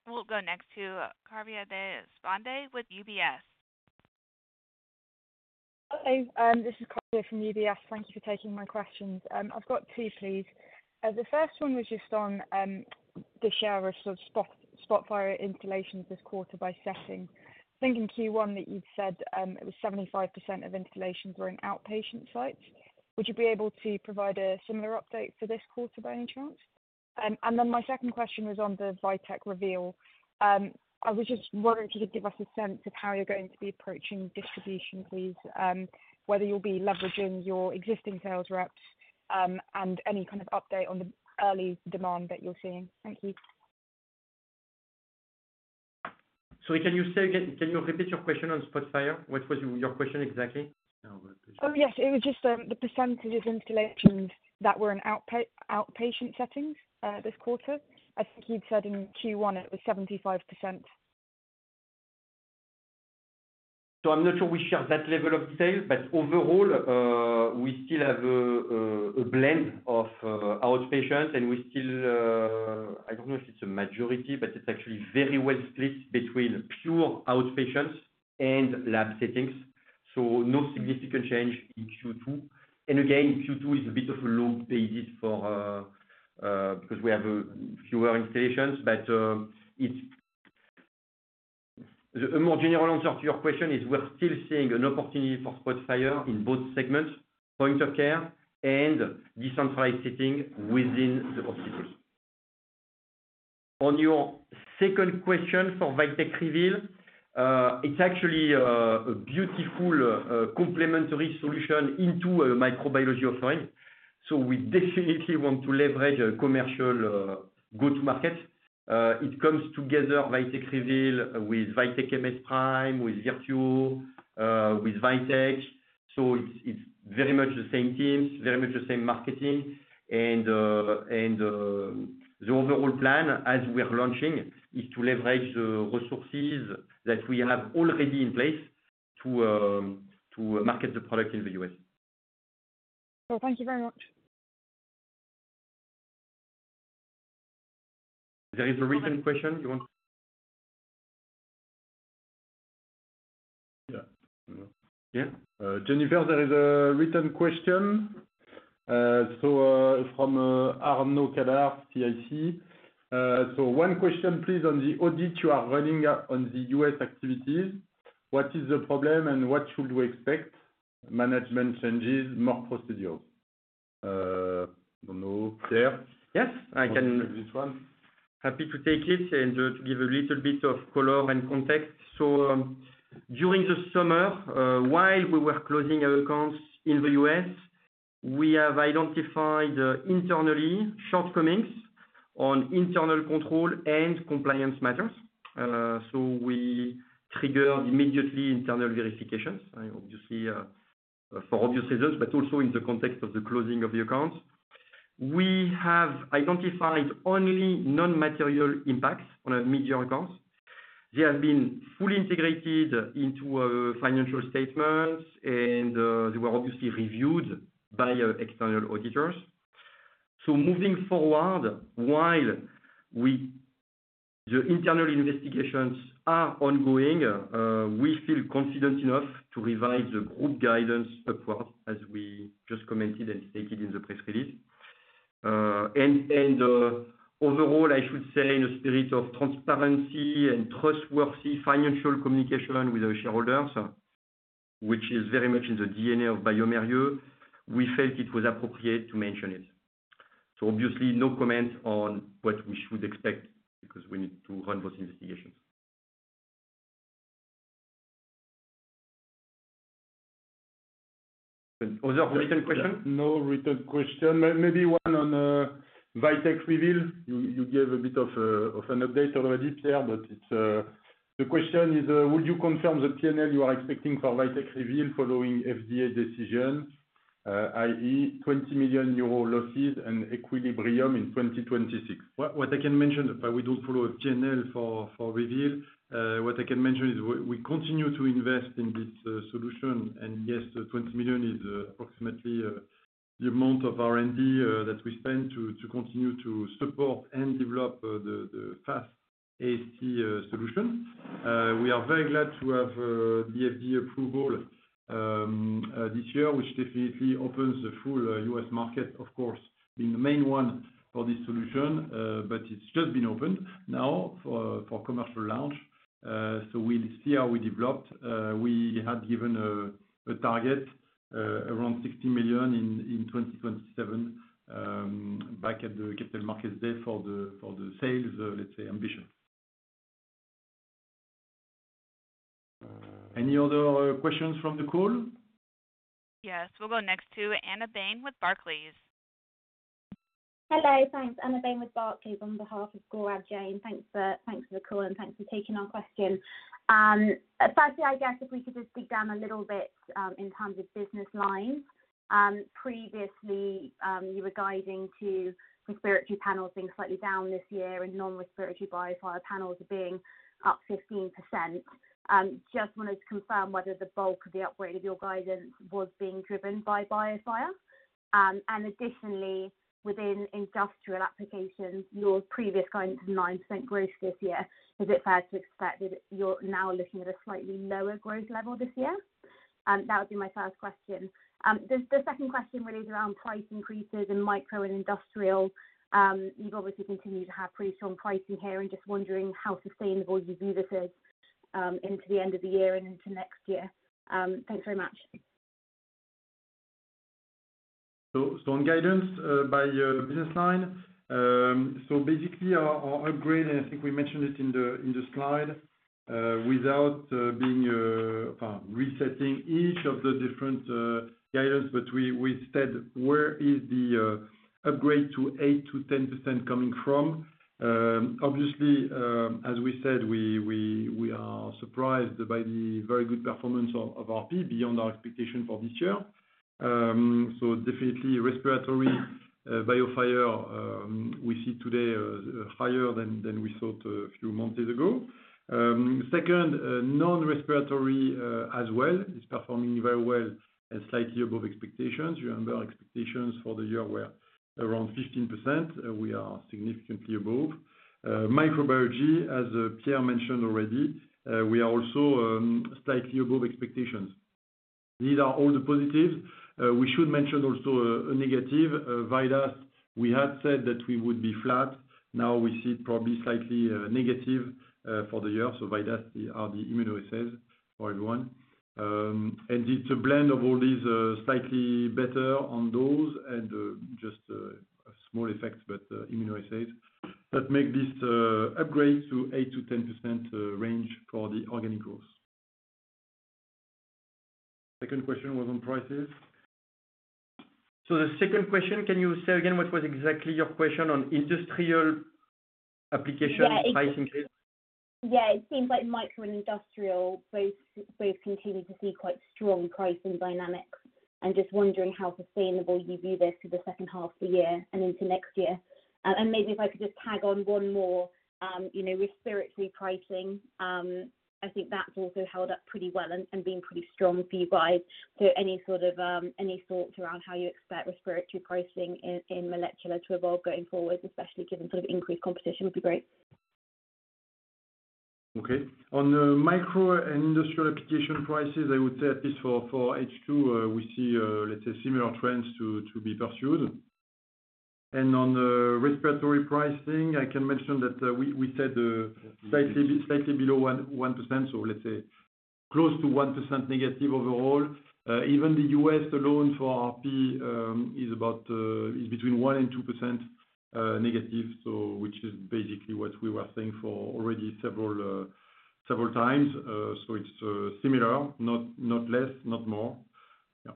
We'll go next to Kavya Deshpande with UBS. Okay, this is Kavya from UBS. Thank you for taking my questions. I've got two, please. The first one was just on the share of sort of SPOTFIRE installations this quarter by setting. I think in Q1 that you've said it was 75% of installations were in outpatient sites. Would you be able to provide a similar update for this quarter by any chance? And then my second question was on the VITEK REVEAL. I was just wondering if you could give us a sense of how you're going to be approaching distribution, please, whether you'll be leveraging your existing sales reps, and any kind of update on the early demand that you're seeing. Thank you. Sorry, can you say again? Can you repeat your question on SPOTFIRE? What was your question exactly? Oh, yes. It was just the percentage of installations that were in outpatient settings this quarter. I think you'd said in Q1, it was 75%. So I'm not sure we share that level of detail, but overall, we still have a blend of outpatients, and we still... I don't know if it's a majority, but it's actually very well split between pure outpatients and lab settings, so no significant change in Q2. And again, Q2 is a bit of a low basis for because we have fewer installations, but it's a more general answer to your question is we're still seeing an opportunity for SPOTFIRE in both segments, point of care and decentralized setting within the hospitals. On your second question for VITEK REVEAL, it's actually a beautiful complementary solution into microbiology offering. So we definitely want to leverage a commercial go-to-market. It comes together, VITEK REVEAL, with VITEK MS PRIME, with VIRTUO, with VITEK. It's very much the same teams, very much the same marketing, and the overall plan, as we're launching, is to leverage the resources that we have already in place to market the product in the U.S. Thank you very much. There is a written question you want? Yeah. Yeah. Jennifer, there is a written question. So, from Arnaud Cadart, CIC. So one question, please, on the audit you are running on the U.S. activities, what is the problem, and what should we expect? Management changes, more procedures. I don't know, Pierre? Yes, I can. This one. Happy to take it and, to give a little bit of color and context. So, during the summer, while we were closing our accounts in the U.S., we have identified, internally, shortcomings on internal control and compliance matters. So we triggered immediately internal verifications, and obviously, for obvious reasons, but also in the context of the closing of the accounts. We have identified only non-material impacts on our major accounts. They have been fully integrated into our financial statements, and, they were obviously reviewed by, external auditors. So moving forward, while the internal investigations are ongoing, we feel confident enough to revise the group guidance upward, as we just commented and stated in the press release. Overall, I should say, in a spirit of transparency and trustworthy financial communication with our shareholders, which is very much in the DNA of bioMérieux, we felt it was appropriate to mention it. So obviously, no comment on what we should expect because we need to run those investigations. Other written question? No written question. Maybe one on VITEK REVEAL. You gave a bit of an update already, Pierre, but it's... The question is, would you confirm the P&L you are expecting for VITEK REVEAL following FDA decision, i.e., 20 million euro losses and equilibrium in 2026? What I can mention, but we don't follow a P&L for Reveal. What I can mention is we continue to invest in this solution, and yes, the 20 million is approximately the amount of R&D that we spend to continue to support and develop the fast-... AST solution. We are very glad to have the FDA approval this year, which definitely opens the full US market, of course, being the main one for this solution, but it's just been opened now for commercial launch. So we'll see how we developed. We had given a target around 60 million in 2027 back at the capital markets day for the sales, let's say, ambition. Any other questions from the call? Yes. We'll go next to Anna Bain with Barclays. Hello. Thanks. Anna Bain with Barclays on behalf of Gaurav Jain. Thanks for the call, and thanks for taking our question. Firstly, I guess if we could just dig down a little bit in terms of business lines. Previously, you were guiding to respiratory panels being slightly down this year and non-respiratory BIOFIRE panels being up 15%. Just wanted to confirm whether the bulk of the upgrade of your guidance was being driven by BIOFIRE. And additionally, within industrial applications, your previous guidance was 9% growth this year. Is it fair to expect that you're now looking at a slightly lower growth level this year? That would be my first question. The second question really is around price increases in micro and industrial. You've obviously continued to have pretty strong pricing here, and just wondering how sustainable you view this is into the end of the year and into next year. Thanks very much. On guidance by business line. Basically, our upgrade, and I think we mentioned it in the slide, without being resetting each of the different guidance, but we said, where is the upgrade to 8-10% coming from? Obviously, as we said, we are surprised by the very good performance of RP beyond our expectation for this year. So definitely respiratory BIOFIRE, we see today higher than we thought a few months ago. Second, non-respiratory as well is performing very well and slightly above expectations. You remember our expectations for the year were around 15%, we are significantly above. Microbiology, as Pierre mentioned already, we are also slightly above expectations. These are all the positives. We should mention also a negative VIDAS. We had said that we would be flat. Now we see it probably slightly negative for the year. So VIDAS are the immunoassays for everyone. And it's a blend of all these, slightly better on those and just small effects, but immunoassays that make this upgrade to 8%-10% range for the organic growth. Second question was on prices. So the second question, can you say again, what was exactly your question on industrial application pricing increase? Yeah, it seems like micro and industrial both continue to see quite strong pricing dynamics. I'm just wondering how sustainable you view this for the second half of the year and into next year? And maybe if I could just tag on one more, you know, respiratory pricing. I think that's also held up pretty well and been pretty strong for you guys. So any sort of thoughts around how you expect respiratory pricing in molecular to evolve going forward, especially given sort of increased competition, would be great. Okay. On the micro and industrial application prices, I would say at least for H2, we see, let's say, similar trends to be pursued. And on the respiratory pricing, I can mention that, we said, slightly below 1%. So let's say close to 1% negative overall. Even the U.S. alone for RP is about, is between 1% and 2% negative, so which is basically what we were saying for already several times. So it's similar, not less, not more. Yeah.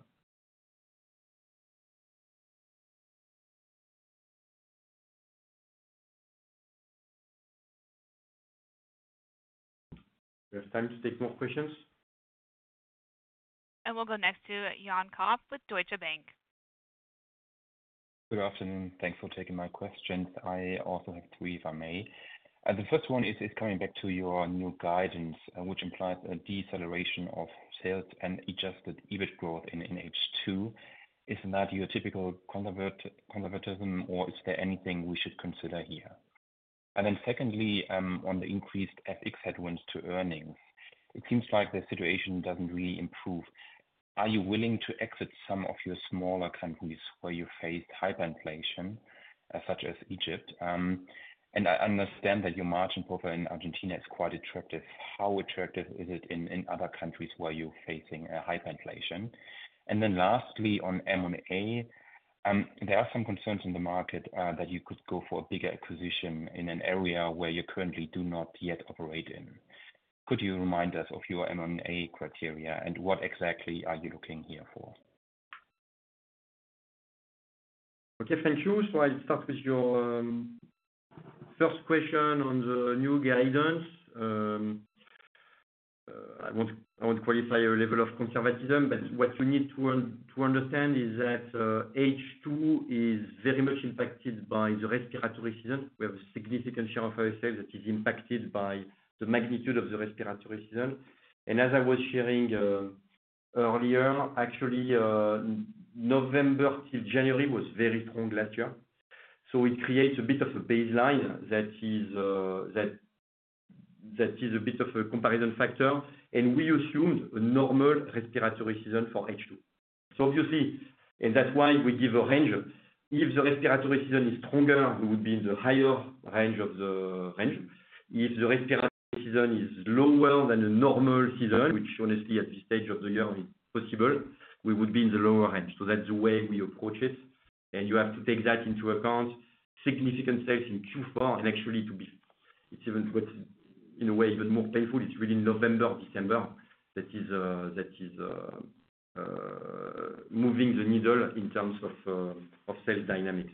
We have time to take more questions. And we'll go next to Jan Koch with Deutsche Bank. Good afternoon. Thanks for taking my questions. I also have three, if I may. The first one is coming back to your new guidance, which implies a deceleration of sales and adjusted EBIT growth in H2. Is that your typical conservatism, or is there anything we should consider here? And then secondly, on the increased FX headwinds to earnings, it seems like the situation doesn't really improve. Are you willing to exit some of your smaller countries where you face hyperinflation, such as Egypt? And I understand that your margin profile in Argentina is quite attractive. How attractive is it in other countries where you're facing a hyperinflation? And then lastly, on M&A, there are some concerns in the market that you could go for a bigger acquisition in an area where you currently do not yet operate in. Could you remind us of your M&A criteria and what exactly are you looking here for? Okay, thank you. So I'll start with your first question on the new guidance. I want to qualify your level of conservatism, but what you need to understand is that H2 is very much impacted by the respiratory season. We have a significant share of our sales that is impacted by the magnitude of the respiratory season. And as I was sharing.... earlier, actually, November till January was very strong last year, so it creates a bit of a baseline that is a bit of a comparison factor, and we assumed a normal respiratory season for H2. So obviously, and that's why we give a range. If the respiratory season is stronger, we would be in the higher range of the range. If the respiratory season is lower than a normal season, which honestly, at this stage of the year is possible, we would be in the lower range. So that's the way we approach it, and you have to take that into account. Significant sales in Q4 and actually to be, it's even what, in a way, even more painful, it's really November, December, that is moving the needle in terms of sales dynamics.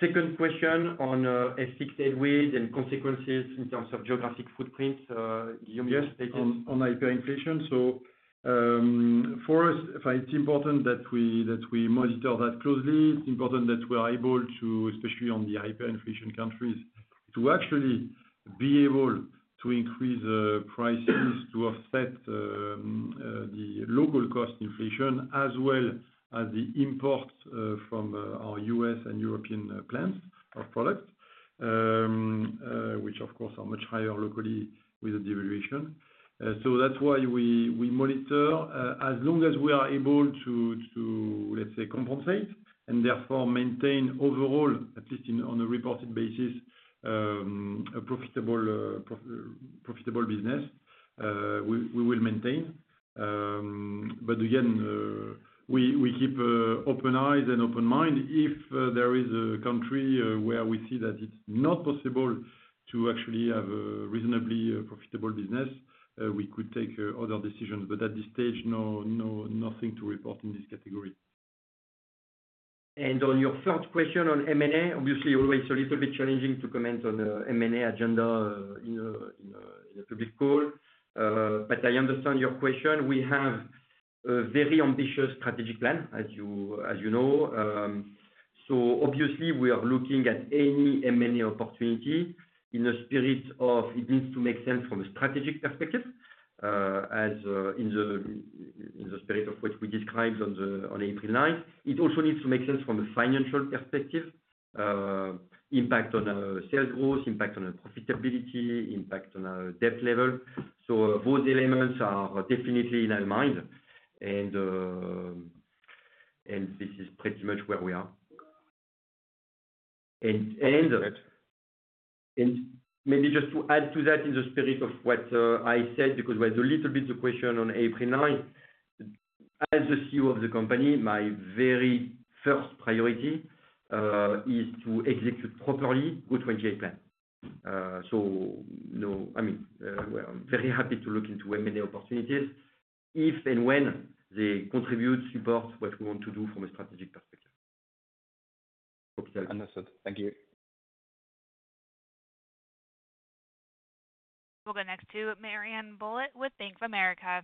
Second question on FX headwind and consequences in terms of geographic footprints, Guillaume- Yes, on hyperinflation. So, for us, it's important that we monitor that closely. It's important that we're able to, especially on the hyperinflation countries, to actually be able to increase prices to offset the local cost inflation, as well as the imports from our U.S. and European plants or products, which of course are much higher locally with the devaluation. So that's why we monitor, as long as we are able to, let's say, compensate, and therefore maintain overall, at least, on a reported basis, a profitable business, we will maintain. But again, we keep open eyes and open mind. If there is a country where we see that it's not possible to actually have a reasonably profitable business, we could take other decisions. But at this stage, no, no, nothing to report in this category. And on your third question on M&A, obviously, always a little bit challenging to comment on the M&A agenda in a public call. But I understand your question. We have a very ambitious strategic plan, as you know. So obviously we are looking at any M&A opportunity in the spirit of it needs to make sense from a strategic perspective, in the spirit of which we described on April ninth. It also needs to make sense from a financial perspective, impact on our sales growth, impact on our profitability, impact on our debt level. So those elements are definitely in our mind, and this is pretty much where we are. Got it. And maybe just to add to that, in the spirit of what I said, because there was a little bit of question on April 9th. As the CEO of the company, my very first priority is to execute properly go-to-market plan. I mean, we're very happy to look into M&A opportunities if and when they contribute, support what we want to do from a strategic perspective. Understood. Thank you. We'll go next to Marianne Bulot with Bank of America.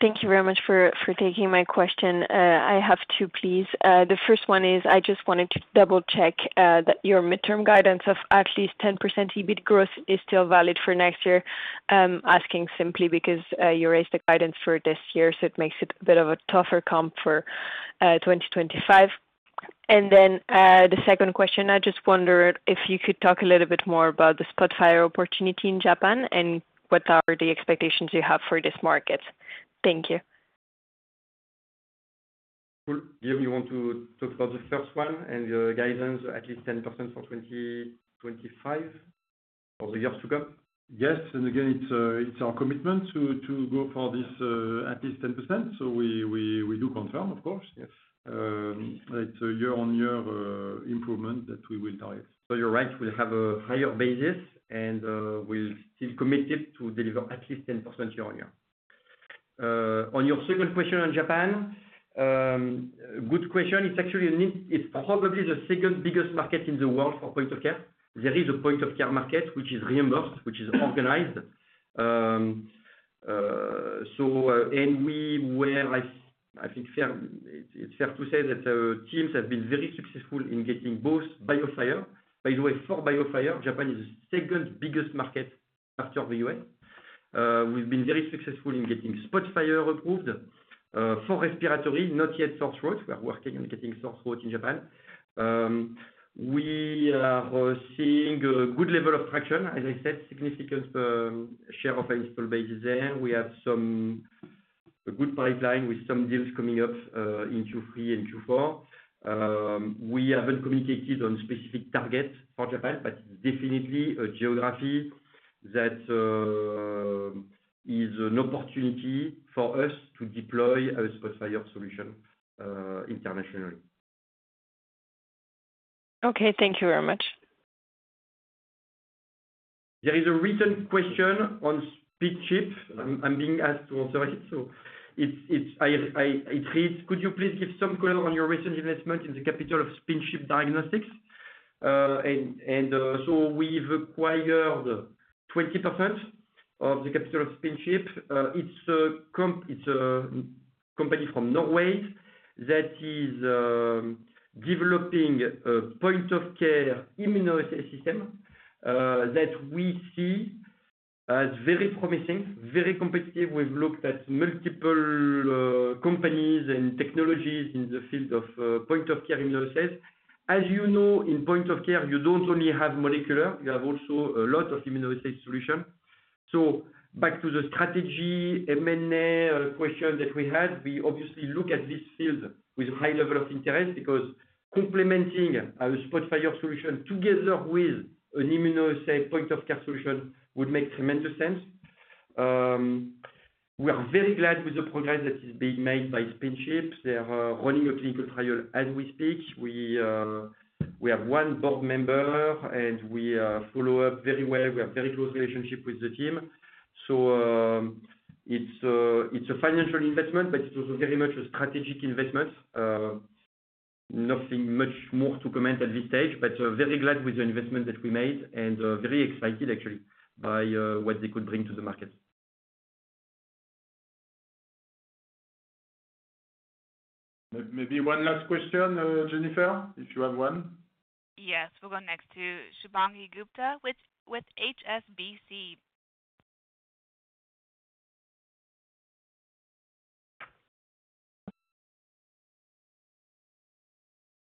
Thank you very much for taking my question. I have two, please. The first one is I just wanted to double check that your midterm guidance of at least 10% EBIT growth is still valid for next year. Asking simply because you raised the guidance for this year, so it makes it a bit of a tougher comp for 2025. And then, the second question, I just wondered if you could talk a little bit more about the SPOTFIRE opportunity in Japan, and what are the expectations you have for this market? Thank you. Cool. Guillaume, you want to talk about the first one and the guidance, at least 10% for 2025 or the years to come? Yes. And again, it's our commitment to go for this at least 10%. So we do confirm, of course. Yes. It's a year-on-year improvement that we will target. So you're right, we'll have a higher basis, and we're still committed to deliver at least 10% year-on-year. On your second question on Japan, good question. It's actually a niche. It's probably the second biggest market in the world for point-of-care. There is a point-of-care market which is reimbursed, which is organized. So, and I think it's fair to say that teams have been very successful in getting both BIOFIRE. By the way, for BIOFIRE, Japan is the second biggest market after the U.S. We've been very successful in getting SPOTFIRE approved, for respiratory, not yet for throat. We are working on getting throat in Japan. We are seeing a good level of traction, as I said, significant share of install base there. We have a good pipeline with some deals coming up in Q3 and Q4. We haven't communicated on specific targets for Japan, but definitely a geography that is an opportunity for us to deploy our SPOTFIRE solution internationally. Okay, thank you very much. There is a written question on SpinChip. I'm being asked to answer it, so it's I, it reads: Could you please give some color on your recent investment in the capital of SpinChip Diagnostics? So we've acquired 20% of the capital of SpinChip. It's a company from Norway that is developing a point-of-care immunoassay system that we see as very promising, very competitive. We've looked at multiple companies and technologies in the field of point-of-care immunoassay. As you know, in point of care, you don't only have molecular, you have also a lot of immunoassay solution. So back to the strategy, M&A question that we had, we obviously look at this field with high level of interest because complementing our SPOTFIRE solution together with an immunoassay point-of-care solution would make tremendous sense. We are very glad with the progress that is being made by SpinChip. They are running a clinical trial as we speak. We have one board member, and we follow up very well. We have very close relationship with the team. So, it's a, it's a financial investment, but it's also very much a strategic investment. Nothing much more to comment at this stage, but very glad with the investment that we made and very excited actually by what they could bring to the market. Maybe one last question, Jennifer, if you have one. Yes. We'll go next to Shubhangi Gupta with HSBC.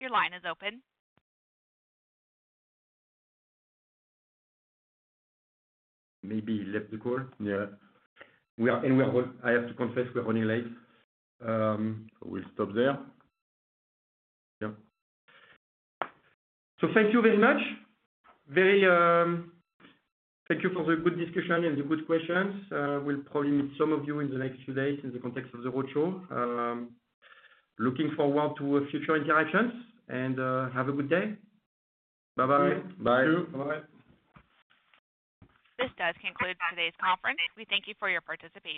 Your line is open. Maybe he left the call. Yeah. I have to confess, we're running late. We'll stop there. Yeah. So thank you very much. Very... Thank you for the good discussion and the good questions. We'll probably meet some of you in the next few days in the context of the roadshow. Looking forward to a future interactions, and, have a good day. Bye-bye. Bye. Thank you. Bye-bye. This does conclude today's conference. We thank you for your participation.